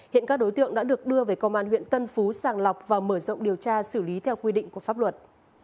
hiện các đối tượng đã được đưa về công an huyện tân phú sàng lọc và mở rộng điều tra xử lý theo quy định của pháp luật